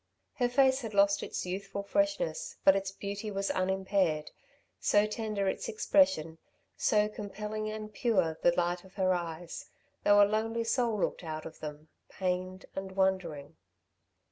Her face had lost its youthful freshness, but its beauty was unimpaired, so tender its expression, so compelling and pure the light of her eyes, though a lonely soul looked out of them, pained and wondering.